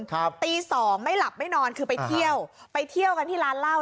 ตีสองไม่หลับไม่นอนคือไปเที่ยวไปเที่ยวกันที่ร้านเหล้า